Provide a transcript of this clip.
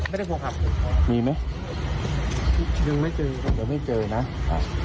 ไม่ได้พูดคำมีไหมยังไม่เจอจะไม่เจอนะอ่า